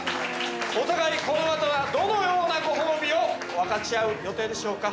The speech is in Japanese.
お互いこのあとはどのようなご褒美を分かち合う予定でしょうか？